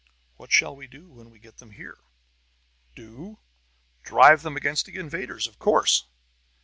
"What shall we do when we get them here?" "Do? Drive them against the invaders, of course!"